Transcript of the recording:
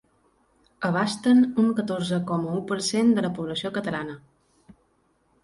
Abasten un catorze coma u per cent de la població catalana.